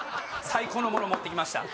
最高のもの持ってきました